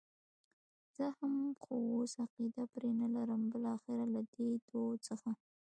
زه هم، خو اوس عقیده پرې نه لرم، بالاخره له دې دوو څخه.